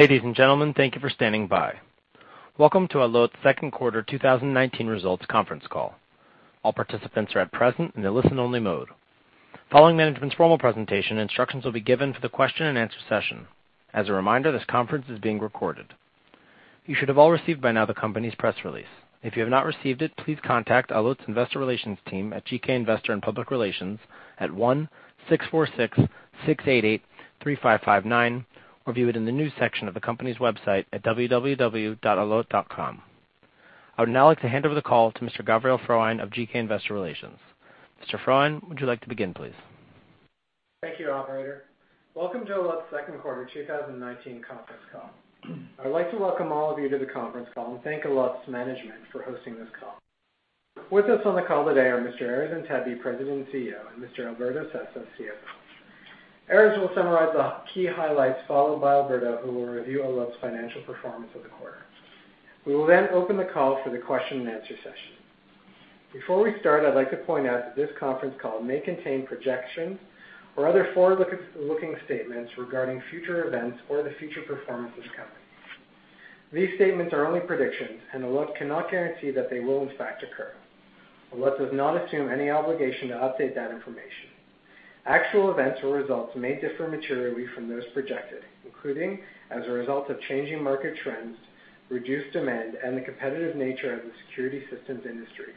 Ladies and gentlemen, thank you for standing by. Welcome to Allot's second quarter 2019 results conference call. All participants are at present in the listen-only mode. Following management's formal presentation, instructions will be given for the question and answer session. As a reminder, this conference is being recorded. You should have all received by now the company's press release. If you have not received it, please contact Allot's Investor Relations team at GK Investor Relations at 1-646-688-3559, or view it in the news section of the company's website at www.allot.com. I would now like to hand over the call to Mr. Gavriel Frohwein of GK Investor Relations. Mr. Frohwein, would you like to begin, please. Thank you, operator. Welcome to Allot's second quarter 2019 conference call. I would like to welcome all of you to the conference call and thank Allot's management for hosting this call. With us on the call today are Mr. Erez Antebi, President and CEO, and Mr. Alberto Sessa, CFO. Erez will summarize the key highlights, followed by Alberto, who will review Allot's financial performance for the quarter. We will open the call for the question and answer session. Before we start, I'd like to point out that this conference call may contain projections or other forward-looking statements regarding future events or the future performance of this company. These statements are only predictions. Allot cannot guarantee that they will in fact occur. Allot does not assume any obligation to update that information. Actual events or results may differ materially from those projected, including as a result of changing market trends, reduced demand, and the competitive nature of the security systems industry,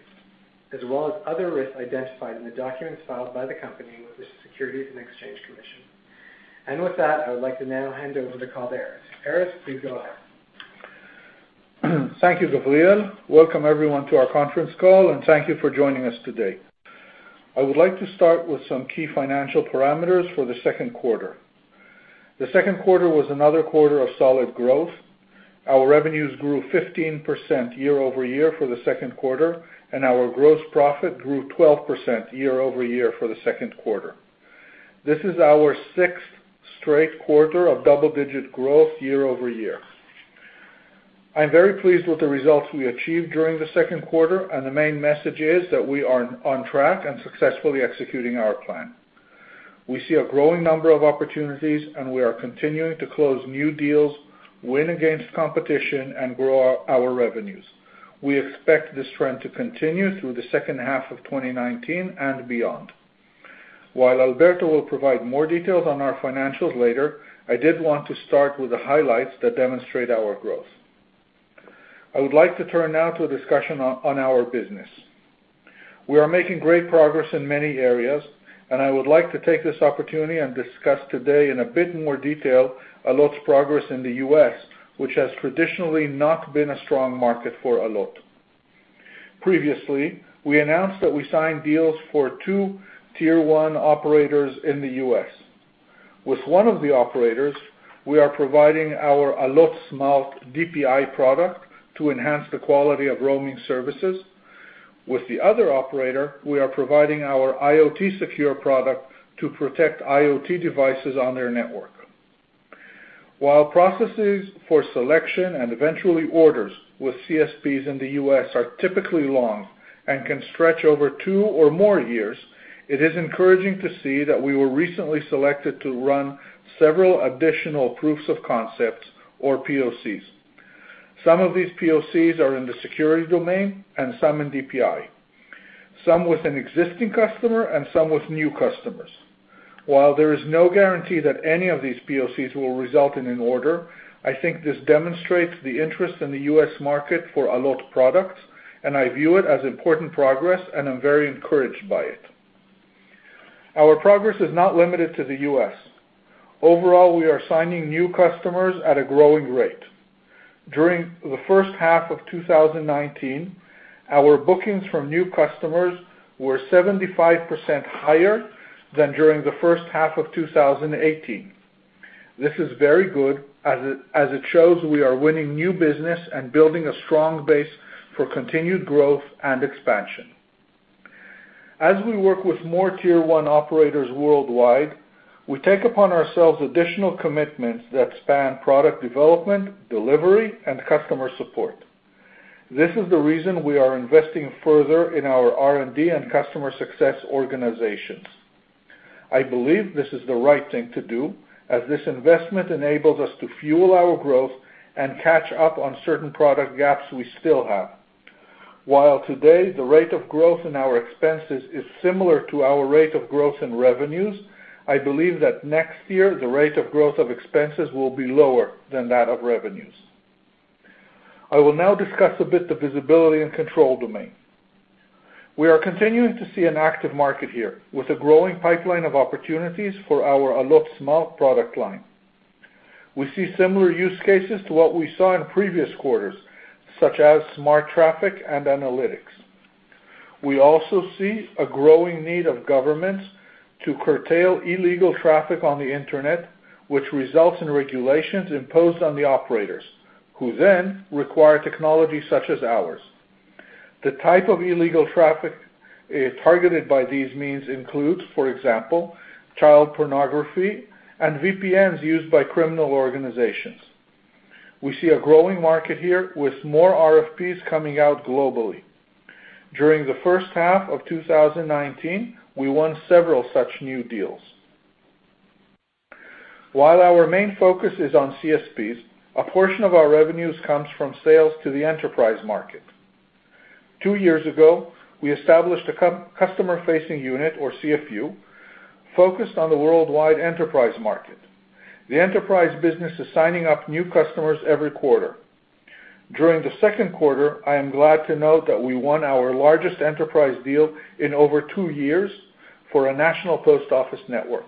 as well as other risks identified in the documents filed by the company with the Securities and Exchange Commission. With that, I would like to now hand over the call to Erez. Erez, please go ahead. Thank you, Gavriel. Welcome everyone to our conference call, and thank you for joining us today. I would like to start with some key financial parameters for the second quarter. The second quarter was another quarter of solid growth. Our revenues grew 15% year-over-year for the second quarter, and our gross profit grew 12% year-over-year for the second quarter. This is our sixth straight quarter of double-digit growth year-over-year. I'm very pleased with the results we achieved during the second quarter, and the main message is that we are on track and successfully executing our plan. We see a growing number of opportunities, and we are continuing to close new deals, win against competition, and grow our revenues. We expect this trend to continue through the second half of 2019 and beyond. While Alberto will provide more details on our financials later, I did want to start with the highlights that demonstrate our growth. I would like to turn now to a discussion on our business. We are making great progress in many areas, and I would like to take this opportunity and discuss today in a bit more detail Allot's progress in the U.S., which has traditionally not been a strong market for Allot. Previously, we announced that we signed deals for two tier 1 operators in the U.S. With one of the operators, we are providing our Allot Smart DPI product to enhance the quality of roaming services. With the other operator, we are providing our IoT Secure product to protect IoT devices on their network. While processes for selection and eventually orders with CSPs in the U.S. are typically long and can stretch over two or more years, it is encouraging to see that we were recently selected to run several additional proofs of concepts or POCs. Some of these POCs are in the security domain and some in DPI, some with an existing customer and some with new customers. While there is no guarantee that any of these POCs will result in an order, I think this demonstrates the interest in the U.S. market for Allot products, and I view it as important progress, and I'm very encouraged by it. Our progress is not limited to the U.S. Overall, we are signing new customers at a growing rate. During the first half of 2019, our bookings from new customers were 75% higher than during the first half of 2018. This is very good, as it shows we are winning new business and building a strong base for continued growth and expansion. As we work with more tier 1 operators worldwide, we take upon ourselves additional commitments that span product development, delivery, and customer support. This is the reason we are investing further in our R&D and customer success organizations. I believe this is the right thing to do, as this investment enables us to fuel our growth and catch up on certain product gaps we still have. While today, the rate of growth in our expenses is similar to our rate of growth in revenues, I believe that next year, the rate of growth of expenses will be lower than that of revenues. I will now discuss a bit the visibility and control domain. We are continuing to see an active market here, with a growing pipeline of opportunities for our Allot Smart product line. We see similar use cases to what we saw in previous quarters, such as smart traffic and analytics. We also see a growing need of governments to curtail illegal traffic on the internet, which results in regulations imposed on the operators, who then require technology such as ours. The type of illegal traffic targeted by these means includes, for example, child pornography and VPNs used by criminal organizations. We see a growing market here with more RFPs coming out globally. During the first half of 2019, we won several such new deals. While our main focus is on CSPs, a portion of our revenues comes from sales to the enterprise market. Two years ago, we established a customer-facing unit, or CFU, focused on the worldwide enterprise market. The enterprise business is signing up new customers every quarter. During the second quarter, I am glad to note that we won our largest enterprise deal in over two years for a national post office network.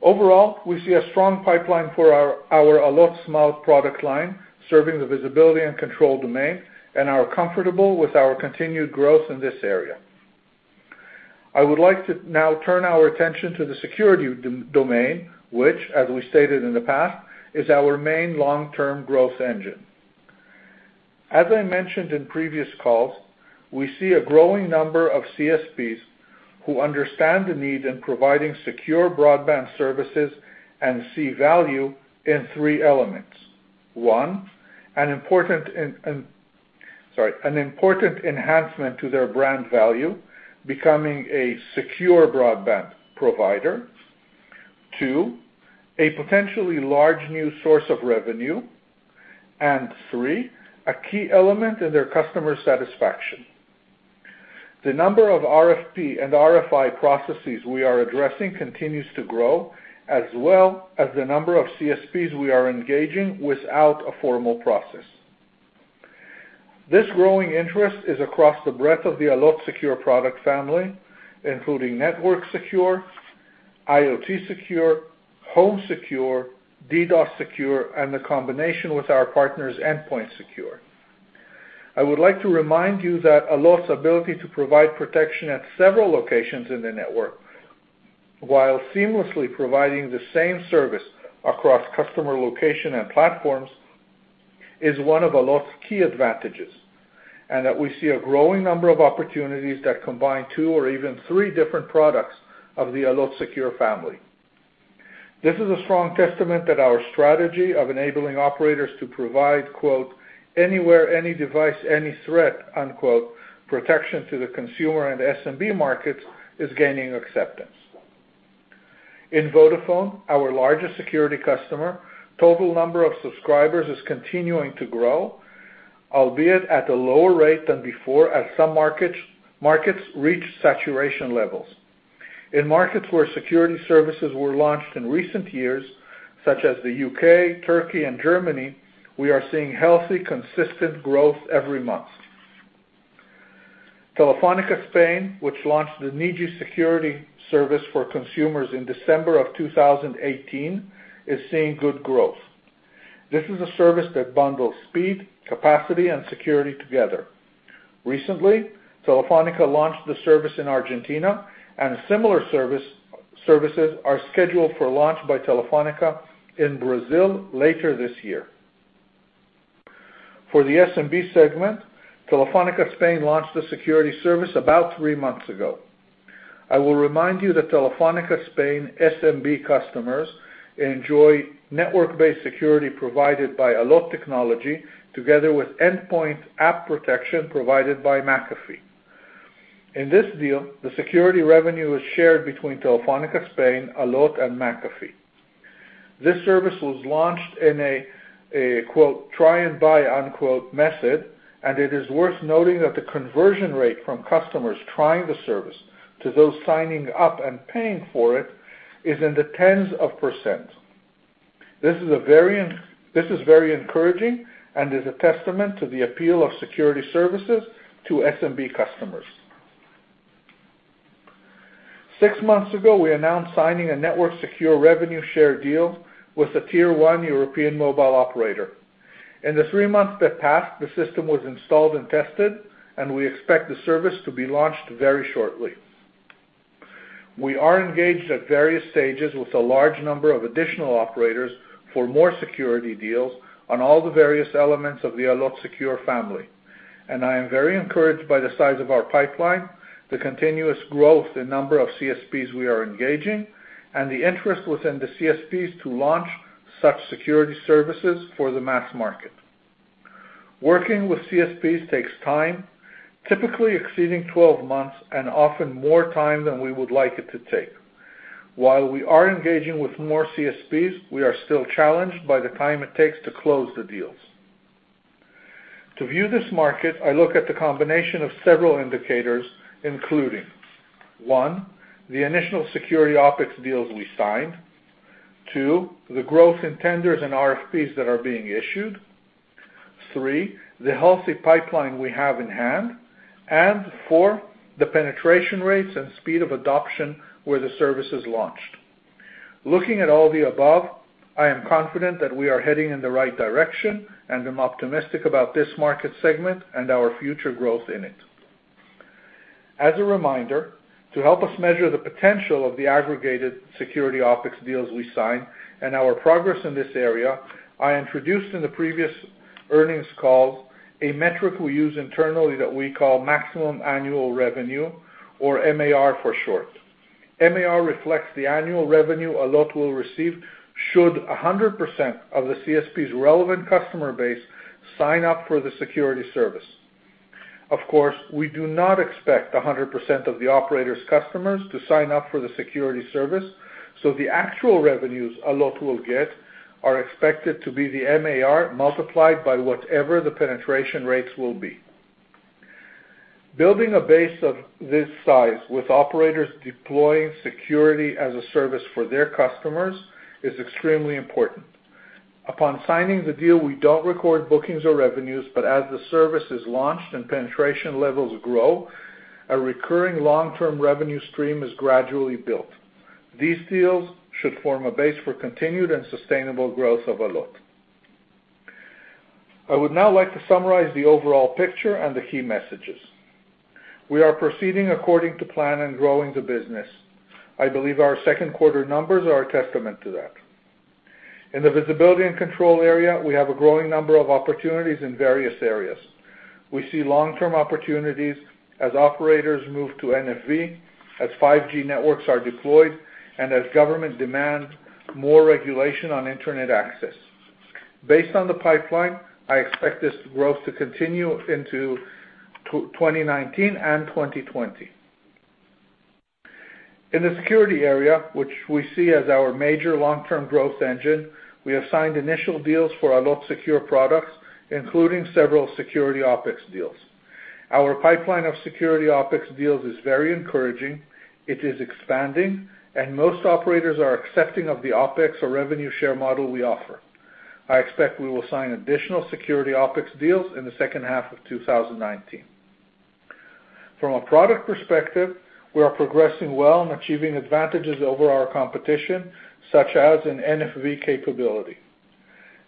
Overall, we see a strong pipeline for our Allot Smart product line, serving the visibility and control domain, and are comfortable with our continued growth in this area. I would like to now turn our attention to the security domain, which, as we stated in the past, is our main long-term growth engine. As I mentioned in previous calls, we see a growing number of CSPs who understand the need in providing secure broadband services and see value in three elements. One, an important enhancement to their brand value, becoming a secure broadband provider. Two, a potentially large new source of revenue. Three, a key element in their customer satisfaction. The number of RFP and RFI processes we are addressing continues to grow, as well as the number of CSPs we are engaging without a formal process. This growing interest is across the breadth of the Allot Secure product family, including NetworkSecure, IoT Secure, HomeSecure, DDoS Secure, and the combination with our partners, EndpointSecure. I would like to remind you that Allot's ability to provide protection at several locations in the network while seamlessly providing the same service across customer location and platforms is one of Allot's key advantages, and that we see a growing number of opportunities that combine two or even three different products of the Allot Secure family. This is a strong testament that our strategy of enabling operators to provide, quote, "anywhere, any device, any threat," unquote, protection to the consumer and SMB markets is gaining acceptance. In Vodafone, our largest security customer, total number of subscribers is continuing to grow, albeit at a lower rate than before, as some markets reach saturation levels. In markets where security services were launched in recent years, such as the U.K., Turkey, and Germany, we are seeing healthy, consistent growth every month. Telefónica Spain, which launched the Movistar Conexión Segura for consumers in December of 2018, is seeing good growth. This is a service that bundles speed, capacity, and security together. Recently, Telefónica launched the service in Argentina, and similar services are scheduled for launch by Telefónica in Brazil later this year. For the SMB segment, Telefónica Spain launched the security service about three months ago. I will remind you that Telefónica Spain SMB customers enjoy network-based security provided by Allot Technology, together with endpoint app protection provided by McAfee. In this deal, the security revenue is shared between Telefónica Spain, Allot, and McAfee. It is worth noting that the conversion rate from customers trying the service to those signing up and paying for it is in the tens of %. This is very encouraging and is a testament to the appeal of security services to SMB customers. Six months ago, we announced signing a NetworkSecure revenue share deal with a tier 1 European mobile operator. In the three months that passed, the system was installed and tested. We expect the service to be launched very shortly. We are engaged at various stages with a large number of additional operators for more security deals on all the various elements of the Allot Secure family. I am very encouraged by the size of our pipeline, the continuous growth, the number of CSPs we are engaging, and the interest within the CSPs to launch such security services for the mass market. Working with CSPs takes time, typically exceeding 12 months and often more time than we would like it to take. While we are engaging with more CSPs, we are still challenged by the time it takes to close the deals. To view this market, I look at the combination of several indicators, including, one, the initial security OpEx deals we signed. Two, the growth in tenders and RFPs that are being issued. Three, the healthy pipeline we have in hand. Four, the penetration rates and speed of adoption where the service is launched. Looking at all the above, I am confident that we are heading in the right direction, and I'm optimistic about this market segment and our future growth in it. As a reminder, to help us measure the potential of the aggregated security OpEx deals we signed and our progress in this area, I introduced in the previous earnings call a metric we use internally that we call maximum annual revenue, or MAR for short. MAR reflects the annual revenue Allot will receive should 100% of the CSP's relevant customer base sign up for the security service. Of course, we do not expect 100% of the operator's customers to sign up for the security service, so the actual revenues Allot will get are expected to be the MAR multiplied by whatever the penetration rates will be. Building a base of this size with operators deploying security as a service for their customers is extremely important. Upon signing the deal, we don't record bookings or revenues, but as the service is launched and penetration levels grow, a recurring long-term revenue stream is gradually built. These deals should form a base for continued and sustainable growth of Allot. I would now like to summarize the overall picture and the key messages. We are proceeding according to plan and growing the business. I believe our second quarter numbers are a testament to that. In the visibility and control area, we have a growing number of opportunities in various areas. We see long-term opportunities as operators move to NFV, as 5G networks are deployed, and as government demand more regulation on internet access. Based on the pipeline, I expect this growth to continue into 2019 and 2020. In the security area, which we see as our major long-term growth engine, we have signed initial deals for Allot Secure products, including several security OpEx deals. Our pipeline of security OpEx deals is very encouraging. It is expanding, and most operators are accepting of the OpEx or revenue share model we offer. I expect we will sign additional security OpEx deals in the second half of 2019. From a product perspective, we are progressing well in achieving advantages over our competition, such as in NFV capability.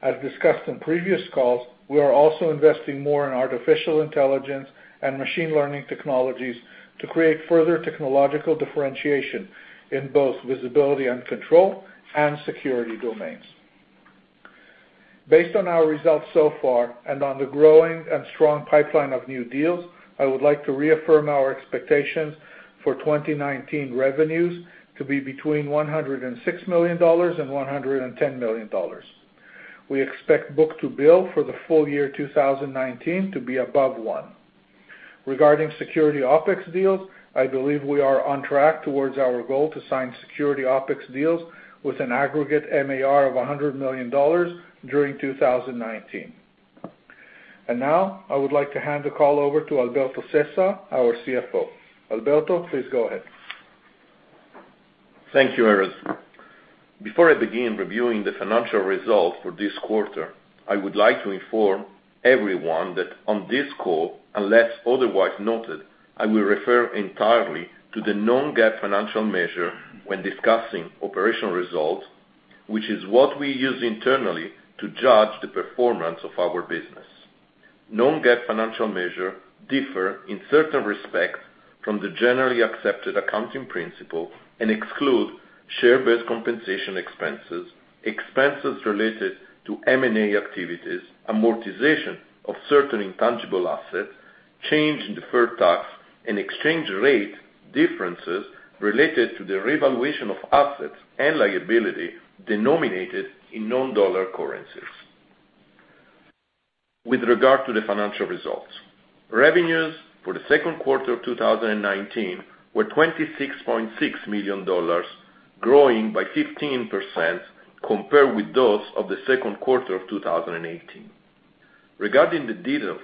As discussed on previous calls, we are also investing more in artificial intelligence and machine learning technologies to create further technological differentiation in both visibility and control, and security domains. Based on our results so far, and on the growing and strong pipeline of new deals, I would like to reaffirm our expectations for 2019 revenues to be between $106 million and $110 million. We expect book-to-bill for the full year 2019 to be above one. Regarding security OpEx deals, I believe we are on track towards our goal to sign security OpEx deals with an aggregate MAR of $100 million during 2019. Now, I would like to hand the call over to Alberto Sessa, our CFO. Alberto, please go ahead. Thank you, Erez. Before I begin reviewing the financial results for this quarter, I would like to inform everyone that on this call, unless otherwise noted, I will refer entirely to the non-GAAP financial measure when discussing operational results, which is what we use internally to judge the performance of our business. Non-GAAP financial measure differ in certain respects from the Generally Accepted Accounting Principles and exclude share-based compensation expenses related to M&A activities, amortization of certain intangible assets, change in deferred tax, and exchange rate differences related to the revaluation of assets and liability denominated in non-dollar currencies. With regard to the financial results, revenues for the second quarter of 2019 were $26.6 million, growing by 15% compared with those of the second quarter of 2018. Regarding the details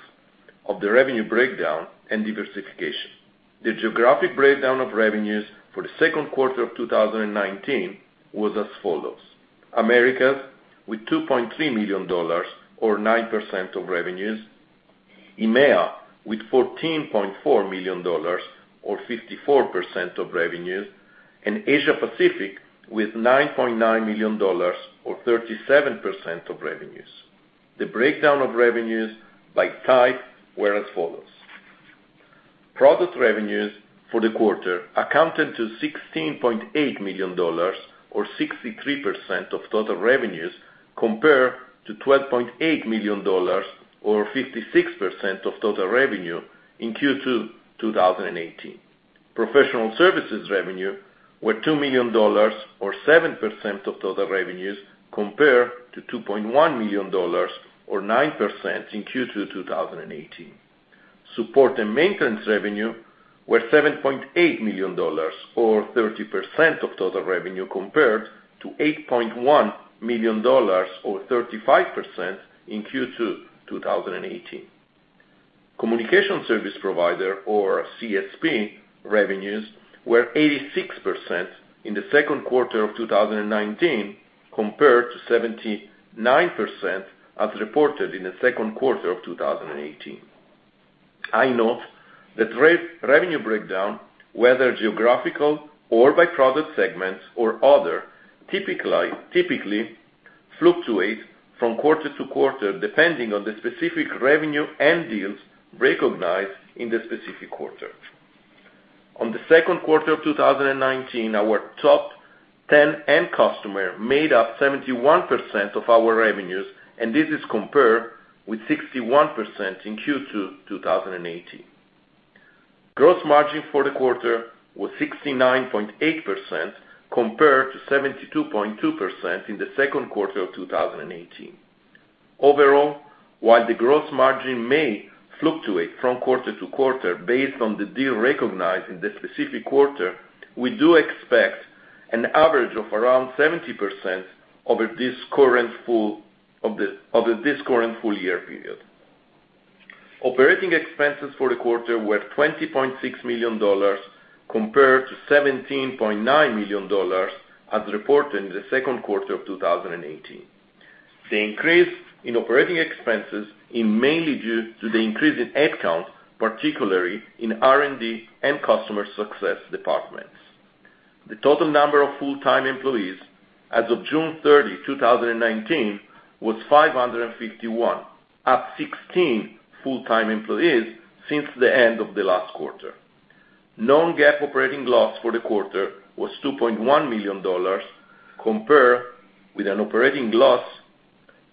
of the revenue breakdown and diversification, the geographic breakdown of revenues for the second quarter of 2019 was as follows. Americas, with $2.3 million, or 9% of revenues. EMEA with $14.4 million or 54% of revenues, and Asia Pacific with $9.9 million or 37% of revenues. The breakdown of revenues by type were as follows. Product revenues for the quarter accounted to $16.8 million or 63% of total revenues, compared to $12.8 million or 56% of total revenue in Q2 2018. Professional services revenue were $2 million or 7% of total revenues, compared to $2.1 million or 9% in Q2 2018. Support and maintenance revenue were $7.8 million or 30% of total revenue, compared to $8.1 million or 35% in Q2 2018. Communication service provider or CSP revenues were 86% in the second quarter of 2019 compared to 79% as reported in the second quarter of 2018. I note that revenue breakdown, whether geographical or by product segments or other, typically fluctuate from quarter to quarter, depending on the specific revenue and deals recognized in the specific quarter. On the second quarter of 2019, our top 10 end customer made up 71% of our revenues, and this is compared with 61% in Q2 2018. Gross margin for the quarter was 69.8%, compared to 72.2% in the second quarter of 2018. Overall, while the gross margin may fluctuate from quarter to quarter based on the deal recognized in the specific quarter, we do expect an average of around 70% over this current full year period. Operating expenses for the quarter were $20.6 million, compared to $17.9 million as reported in the second quarter of 2018. The increase in operating expenses is mainly due to the increase in head count, particularly in R&D and customer success departments. The total number of full-time employees as of June 30, 2019, was 551, up 16 full-time employees since the end of the last quarter. Non-GAAP operating loss for the quarter was $2.1 million, compared with an operating loss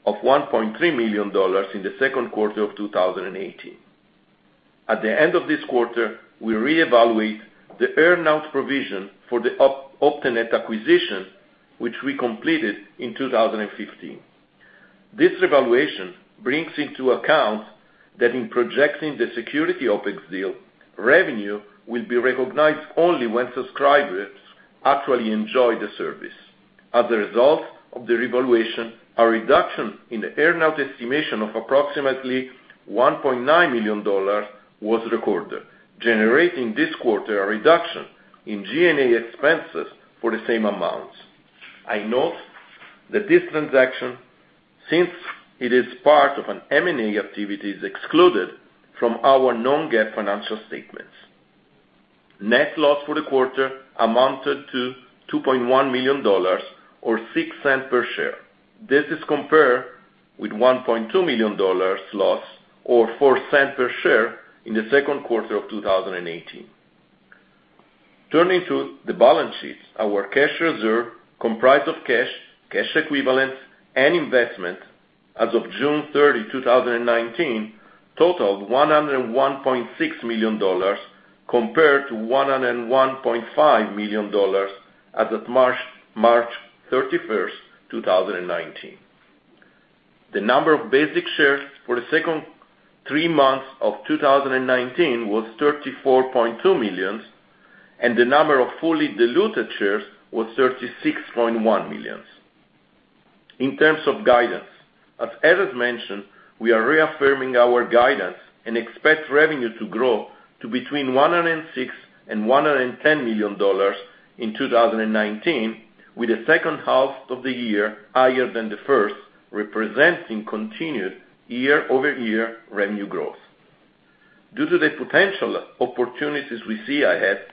of $1.3 million in the second quarter of 2018. At the end of this quarter, we reevaluate the earn-out provision for the Optenet acquisition, which we completed in 2015. This revaluation brings into account that in projecting the security OpEx deal, revenue will be recognized only when subscribers actually enjoy the service. As a result of the revaluation, a reduction in the earn-out estimation of approximately $1.9 million was recorded, generating this quarter a reduction in G&A expenses for the same amounts. I note that this transaction, since it is part of an M&A activity, is excluded from our non-GAAP financial statements. Net loss for the quarter amounted to $2.1 million, or $0.06 per share. This is compared with $1.2 million loss, or $0.04 per share in the second quarter of 2018. Turning to the balance sheets, our cash reserve comprised of cash equivalents, and investment as of June 30, 2019, totaled $101.6 million, compared to $101.5 million as of March 31st, 2019. The number of basic shares for the second three months of 2019 was 34.2 million, and the number of fully diluted shares was 36.1 million. In terms of guidance, as Erez mentioned, we are reaffirming our guidance and expect revenue to grow to between $106 million and $110 million in 2019, with the second half of the year higher than the first, representing continued year-over-year revenue growth. Due to the potential opportunities we see ahead,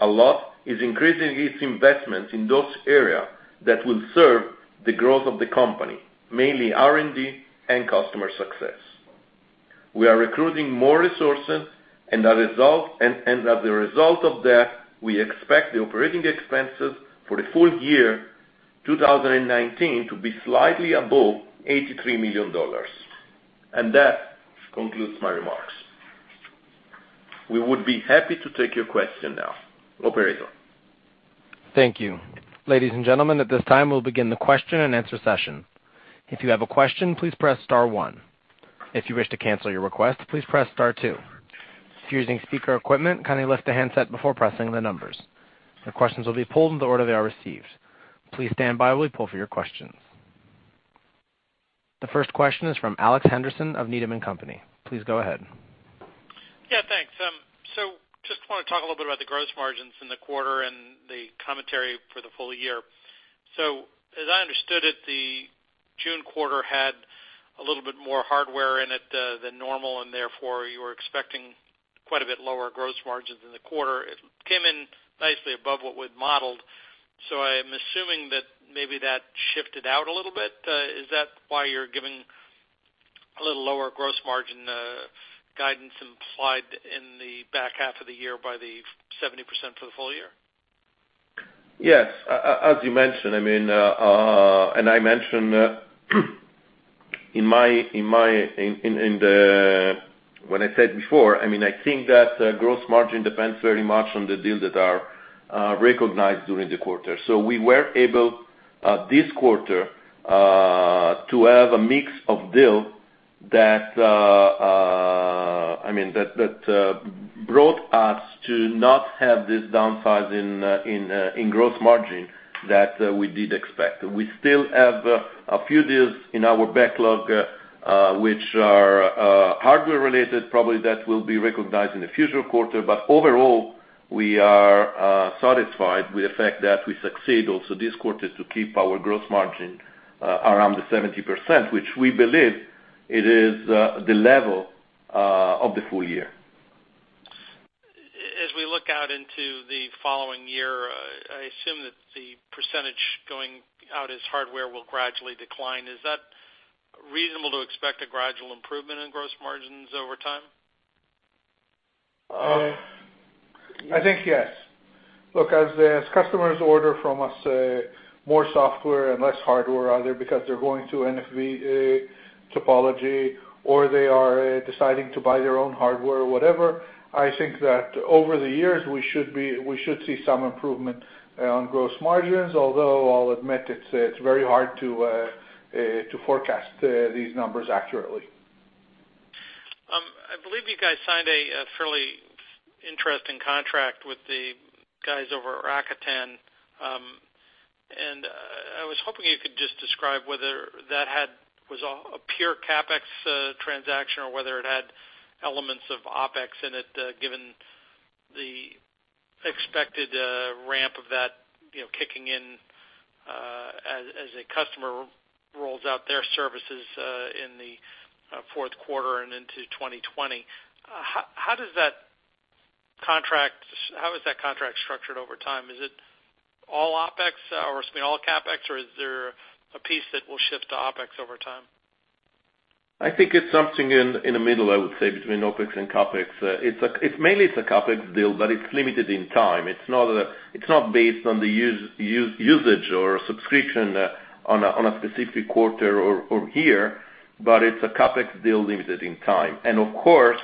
Allot is increasing its investments in those area that will serve the growth of the company, mainly R&D and customer success. We are recruiting more resources, as a result of that, we expect the operating expenses for the full year 2019 to be slightly above $83 million. That concludes my remarks. We would be happy to take your question now. Operator. Thank you. Ladies and gentlemen, at this time, we'll begin the question-and-answer session. If you have a question, please press star one. If you wish to cancel your request, please press star two. If you're using speaker equipment, kindly lift the handset before pressing the numbers. Your questions will be pulled in the order they are received. Please stand by while we pull for your questions. The first question is from Alex Henderson of Needham & Company. Please go ahead. Yeah, thanks. I just want to talk a little bit about the gross margins in the quarter and the commentary for the full year. As I understood it, the June quarter had a little bit more hardware in it than normal, and therefore, you were expecting quite a bit lower gross margins in the quarter. It came in nicely above what we'd modeled. I am assuming that maybe that shifted out a little bit. Is that why you're giving a little lower gross margin guidance implied in the back half of the year by the 70% for the full year? As you mentioned, and I mentioned, when I said before, I think that gross margin depends very much on the deals that are recognized during the quarter. We were able, this quarter, to have a mix of deals that brought us to not have this downside in gross margin that we did expect. We still have a few deals in our backlog, which are hardware related, probably that will be recognized in the future quarter. Overall, we are satisfied with the fact that we succeed also this quarter to keep our gross margin around the 70%, which we believe it is the level of the full year. As we look out into the following year, I assume that the percentage going out as hardware will gradually decline. Is that reasonable to expect a gradual improvement in gross margins over time? I think yes. Look, as customers order from us more software and less hardware, either because they're going to NFV topology or they are deciding to buy their own hardware or whatever, I think that over the years, we should see some improvement on gross margins, although I'll admit it's very hard to forecast these numbers accurately. I believe you guys signed a fairly interesting contract with the guys over at Rakuten. I was hoping you could just describe whether that was a pure CapEx transaction or whether it had elements of OpEx in it, given the expected ramp of that kicking in as a customer rolls out their services in the fourth quarter and into 2020. How is that contract structured over time? Is it all OpEx or excuse me, all CapEx, or is there a piece that will shift to OpEx over time? I think it's something in the middle, I would say, between OpEx and CapEx. Mainly it's a CapEx deal, but it's limited in time. It's not based on the usage or subscription on a specific quarter or year, but it's a CapEx deal limited in time. Of course,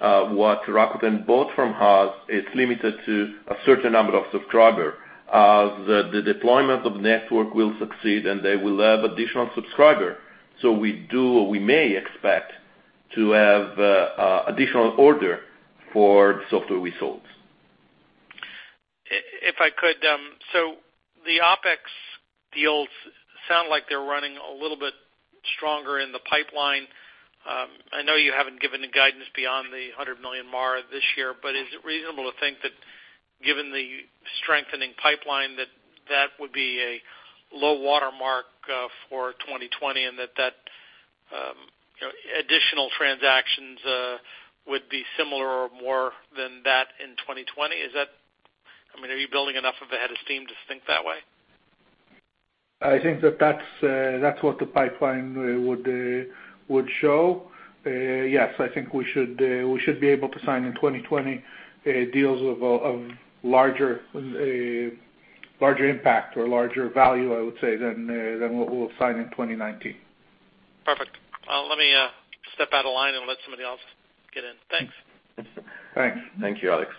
what Rakuten bought from us is limited to a certain number of subscribers. The deployment of network will succeed, and they will have additional subscribers. We may expect to have additional order for the software we sold. If I could, the OpEx deals sound like they're running a little bit stronger in the pipeline. I know you haven't given the guidance beyond the $100 million mark this year, is it reasonable to think that given the strengthening pipeline, that that would be a low watermark for 2020, and that additional transactions would be similar or more than that in 2020? Are you building enough of a head of steam to think that way? I think that that's what the pipeline would show. Yes. I think we should be able to sign in 2020 deals of larger impact or larger value, I would say, than what we'll sign in 2019. Perfect. Let me step out of line and let somebody else get in. Thanks. Thanks. Thank you, Alex.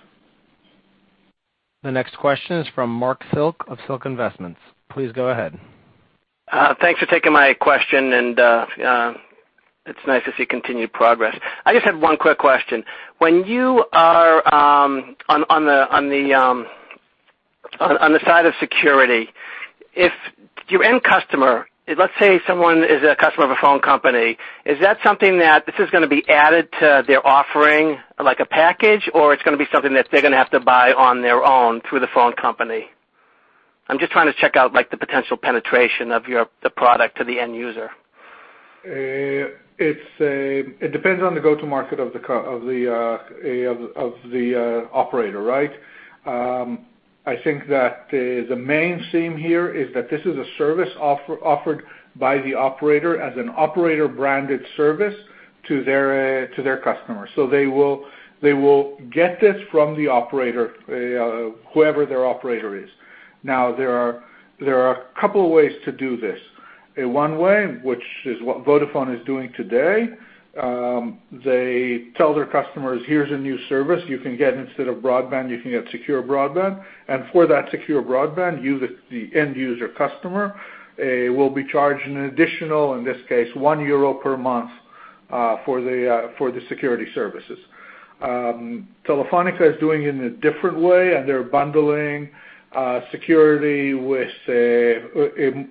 The next question is from Marc Silk of Silk Investments. Please go ahead. Thanks for taking my question. It's nice to see continued progress. I just have one quick question. When you are on the side of security, if your end customer, let's say someone is a customer of a phone company, is that something that this is going to be added to their offering, like a package, or it's going to be something that they're going to have to buy on their own through the phone company? I'm just trying to check out the potential penetration of the product to the end user. It depends on the go-to-market of the operator, right? I think that the main theme here is that this is a service offered by the operator as an operator-branded service to their customers. They will get this from the operator, whoever their operator is. Now, there are a couple of ways to do this. One way, which is what Vodafone is doing today, they tell their customers, "Here's a new service you can get. Instead of broadband, you can get secure broadband. For that secure broadband, the end user customer will be charged an additional, in this case, €1 per month for the security services." Telefónica is doing it in a different way. They're bundling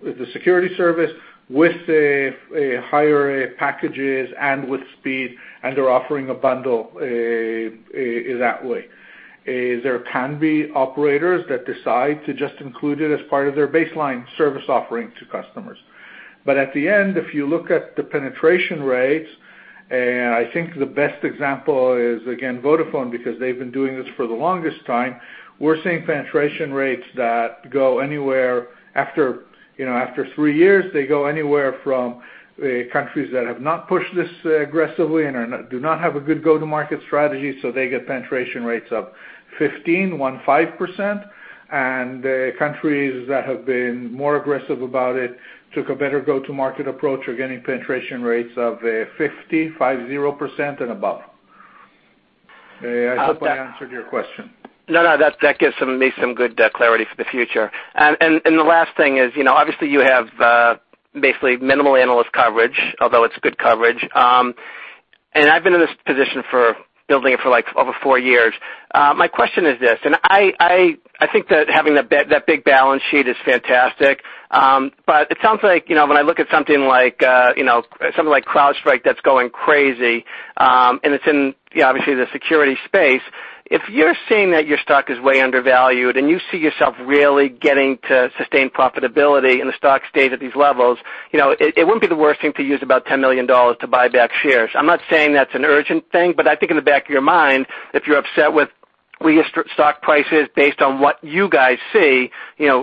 the security service with higher packages and with speed. They're offering a bundle that way. There can be operators that decide to just include it as part of their baseline service offering to customers. At the end, if you look at the penetration rates, I think the best example is, again, Vodafone, because they've been doing this for the longest time. We're seeing penetration rates that go anywhere after three years, they go anywhere from countries that have not pushed this aggressively and do not have a good go-to-market strategy, so they get penetration rates of 15%, one five percent, and countries that have been more aggressive about it, took a better go-to-market approach, are getting penetration rates of 50%, five zero percent, and above. I hope I answered your question. No, no, that gives me some good clarity for the future. The last thing is, obviously you have basically minimal analyst coverage, although it's good coverage. I've been in this position for building it for over four years. My question is this, and I think that having that big balance sheet is fantastic, but it sounds like, when I look at something like CrowdStrike that's going crazy, and it's in, obviously, the security space. If you're seeing that your stock is way undervalued, and you see yourself really getting to sustained profitability and the stock stays at these levels, it wouldn't be the worst thing to use about $10 million to buy back shares. I'm not saying that's an urgent thing, but I think in the back of your mind, if you're upset with where your stock price is based on what you guys see,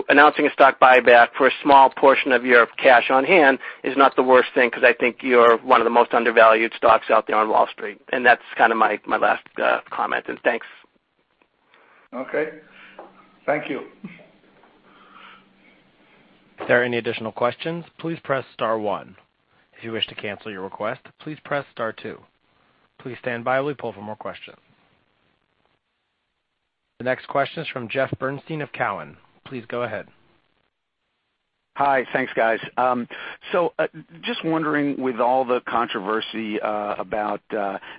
announcing a stock buyback for a small portion of your cash on hand is not the worst thing, because I think you're one of the most undervalued stocks out there on Wall Street, and that's kind of my last comment. Thanks. Okay. Thank you. If there are any additional questions, please press star one. If you wish to cancel your request, please press star two. Please stand by while we pull for more questions. The next question is from Jeffrey Bernstein of Cowen. Please go ahead. Hi. Thanks, guys. Just wondering, with all the controversy about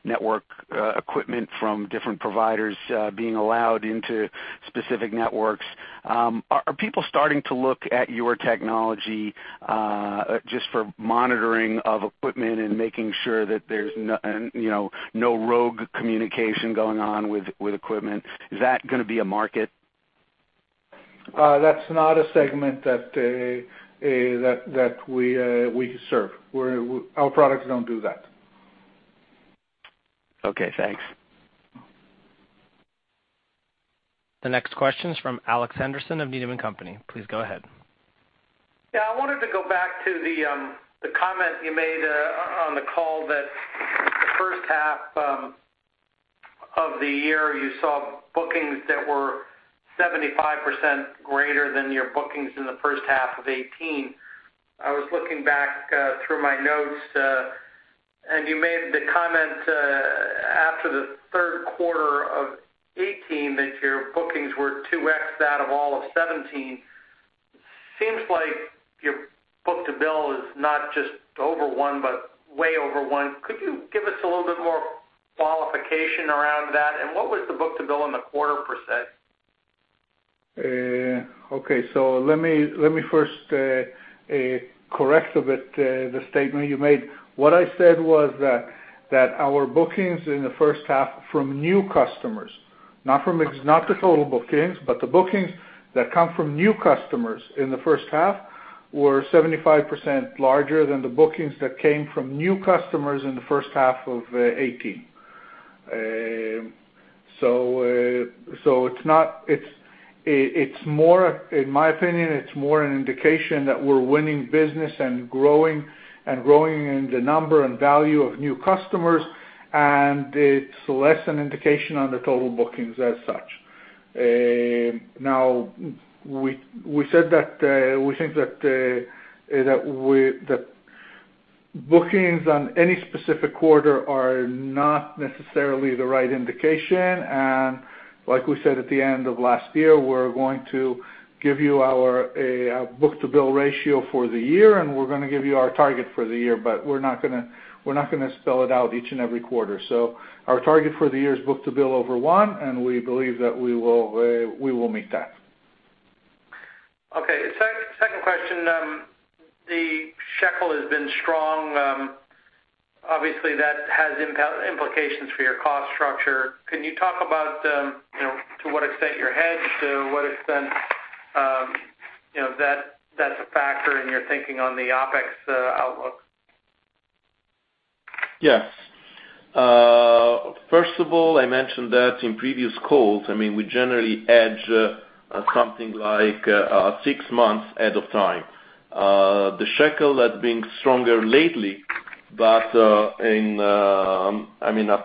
network equipment from different providers being allowed into specific networks, are people starting to look at your technology just for monitoring of equipment and making sure that there's no rogue communication going on with equipment? Is that going to be a market? That's not a segment that we serve. Our products don't do that. Okay, thanks. The next question is from Alex Henderson of Needham & Company. Please go ahead. Yeah, I wanted to go back to the comment you made on the call that the first half of the year, you saw bookings that were 75% greater than your bookings in the first half of 2018. I was looking back through my notes, and you made the comment after the third quarter of 2018 that your bookings were 2x that of all of 2017. Seems like your book-to-bill is not just over one, but way over one. Could you give us a little bit more qualification around that? What was the book-to-bill in the quarter, per se? Okay. Let me first correct a bit the statement you made. What I said was that our bookings in the first half from new customers, not the total bookings, but the bookings that come from new customers in the first half, were 75% larger than the bookings that came from new customers in the first half of 2018. In my opinion, it's more an indication that we're winning business and growing in the number and value of new customers, and it's less an indication on the total bookings as such. We think that bookings on any specific quarter are not necessarily the right indication, and like we said at the end of last year, we're going to give you our book-to-bill ratio for the year, and we're going to give you our target for the year, but we're not going to spell it out each and every quarter. Our target for the year is book-to-bill over one, and we believe that we will meet that. Okay. Second question. The shekel has been strong. Obviously, that has implications for your cost structure. Can you talk about to what extent you're hedged, to what extent that's a factor in your thinking on the OpEx outlook? First of all, I mentioned that in previous calls, we generally hedge something like 6 months ahead of time. The shekel has been stronger lately,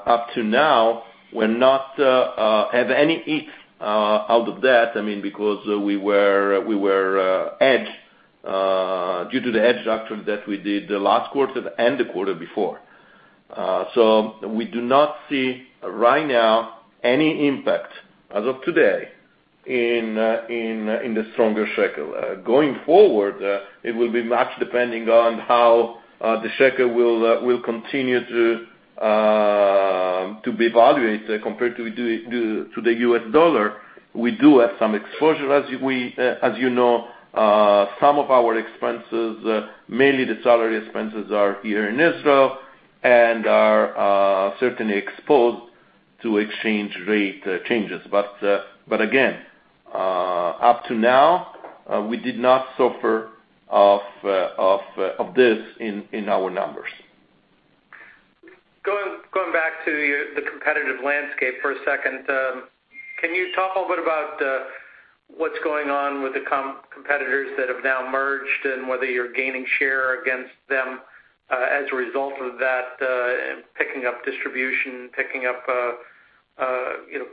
up to now, we have not had any hit out of that because we were hedged due to the hedge structure that we did the last quarter and the quarter before. We do not see right now any impact as of today in the stronger shekel. Going forward, it will be much depending on how the shekel will continue to be evaluated compared to the U.S. dollar. We do have some exposure. As you know, some of our expenses, mainly the salary expenses, are here in Israel and are certainly exposed to exchange rate changes. Again, up to now, we did not suffer of this in our numbers. Going back to the competitive landscape for a second. Can you talk a little bit about what's going on with the competitors that have now merged and whether you're gaining share against them as a result of that, picking up distribution, picking up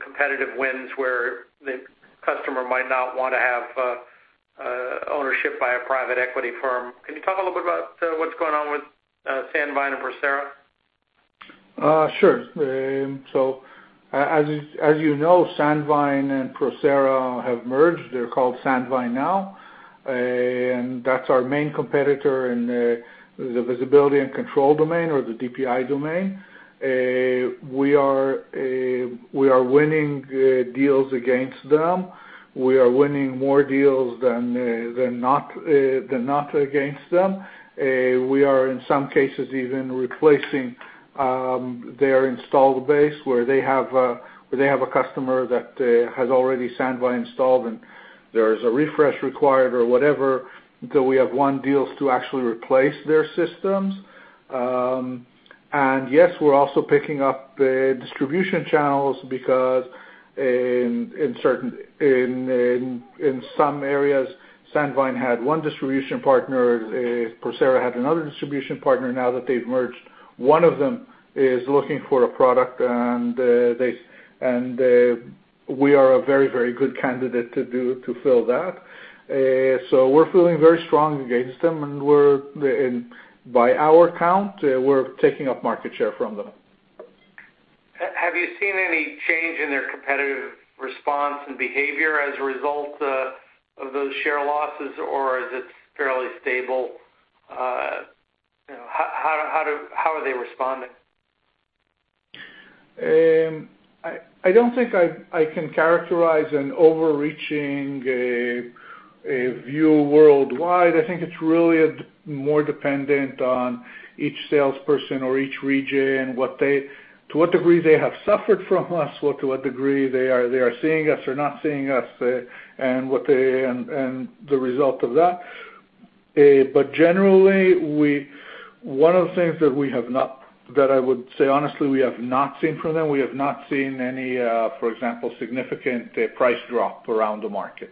competitive wins where the customer might not want to have ownership by a private equity firm? Can you talk a little bit about what's going on with Sandvine and Procera? Sure. As you know, Sandvine and Procera have merged. They're called Sandvine now, and that's our main competitor in the visibility and control domain or the DPI domain. We are winning deals against them. We are winning more deals than not against them. We are, in some cases, even replacing their installed base where they have a customer that has already Sandvine installed, and there's a refresh required or whatever, that we have won deals to actually replace their systems. Yes, we're also picking up distribution channels because in some areas, Sandvine had one distribution partner, Procera had another distribution partner. Now that they've merged, one of them is looking for a product, and we are a very, very good candidate to fill that. We're feeling very strong against them, and by our count, we're taking up market share from them. Have you seen any change in their competitive response and behavior as a result of those share losses, or is it fairly stable? How are they responding? I don't think I can characterize an overreaching view worldwide. I think it's really more dependent on each salesperson or each region, to what degree they have suffered from us, or to what degree they are seeing us or not seeing us, and the result of that. Generally, one of the things that I would say honestly, we have not seen from them, we have not seen any, for example, significant price drop around the market.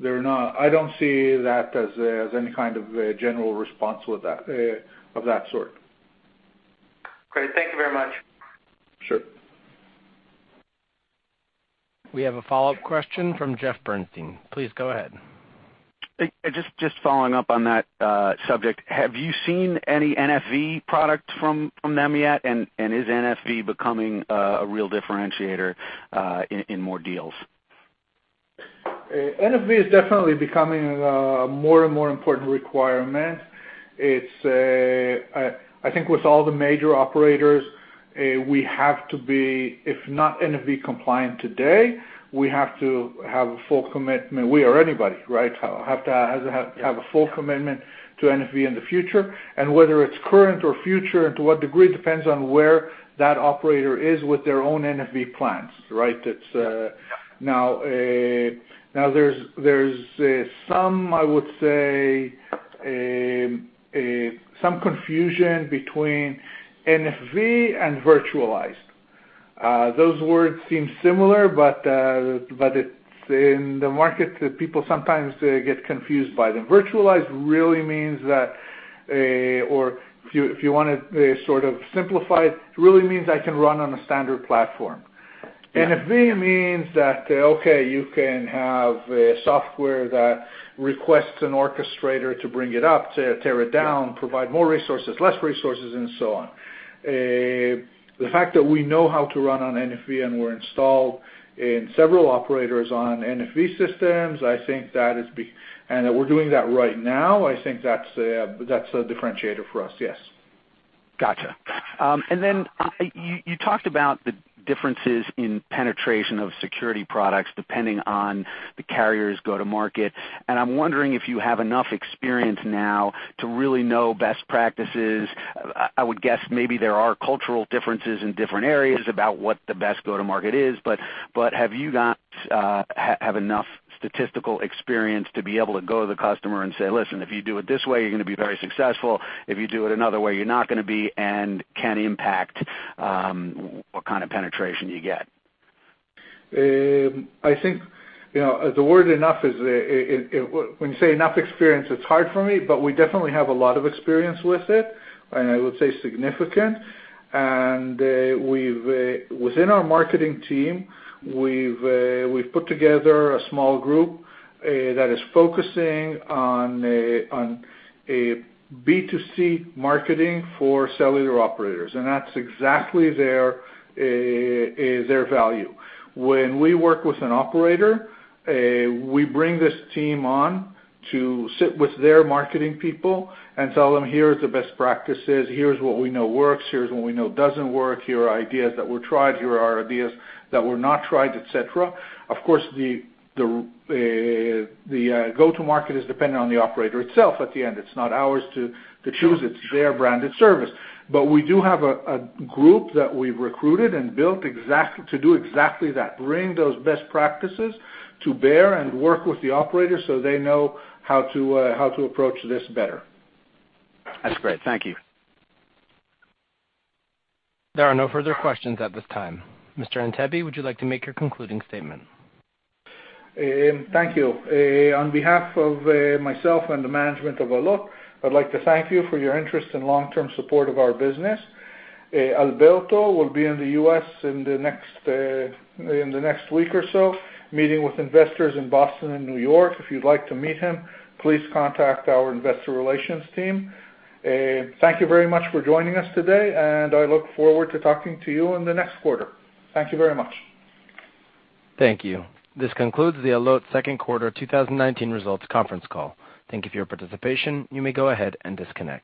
I don't see that as any kind of general response of that sort. Great. Thank you very much. Sure. We have a follow-up question from Jeffrey Bernstein. Please go ahead. Just following up on that subject, have you seen any NFV product from them yet? Is NFV becoming a real differentiator in more deals? NFV is definitely becoming a more and more important requirement. I think with all the major operators, we have to be, if not NFV-compliant today, we have to have a full commitment. We or anybody, right? Have to have a full commitment to NFV in the future. Whether it's current or future, and to what degree, depends on where that operator is with their own NFV plans, right? Yeah. There's some, I would say, confusion between NFV and virtualized. Those words seem similar, in the market, people sometimes get confused by them. Virtualized really means that, if you want to sort of simplify it really means I can run on a standard platform. Yeah. NFV means that, okay, you can have software that requests an orchestrator to bring it up, to tear it down. Yeah provide more resources, less resources, and so on. The fact that we know how to run on NFV and we're installed in several operators on NFV systems, and that we're doing that right now, I think that's a differentiator for us, yes. Gotcha. You talked about the differences in penetration of security products depending on the carriers go-to-market, and I'm wondering if you have enough experience now to really know best practices. I would guess maybe there are cultural differences in different areas about what the best go-to-market is, but have you guys enough statistical experience to be able to go to the customer and say, "Listen, if you do it this way, you're going to be very successful. If you do it another way, you're not going to be," and can impact what kind of penetration you get? I think, the word enough, when you say enough experience, it's hard for me, but we definitely have a lot of experience with it, and I would say significant. Within our marketing team, we've put together a small group that is focusing on B2C marketing for cellular operators, and that's exactly their value. When we work with an operator, we bring this team on to sit with their marketing people and tell them, "Here is the best practices. Here's what we know works, here's what we know doesn't work. Here are ideas that were tried. Here are ideas that were not tried," et cetera. Of course, the go-to market is dependent on the operator itself at the end. It's not ours to choose. Sure. It's their branded service. We do have a group that we've recruited and built to do exactly that. Bring those best practices to bear and work with the operators so they know how to approach this better. That's great. Thank you. There are no further questions at this time. Mr. Antebi, would you like to make your concluding statement? Thank you. On behalf of myself and the management of Allot, I'd like to thank you for your interest and long-term support of our business. Alberto will be in the U.S. in the next week or so, meeting with investors in Boston and New York. If you'd like to meet him, please contact our investor relations team. Thank you very much for joining us today, and I look forward to talking to you in the next quarter. Thank you very much. Thank you. This concludes the Allot second quarter 2019 results conference call. Thank you for your participation. You may go ahead and disconnect.